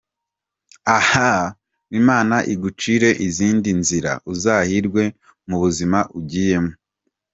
???ahaaaaa!!!!!!! Imana Igucire izindi nzira uzahirwe mu buzima ugiyemo.